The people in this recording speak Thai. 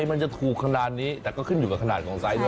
ไม่เกิน๒๘๐บาทที่ใหญ่อย่างสุด